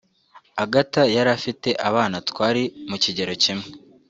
Agatha yari afite abana twari mu kigero kimwe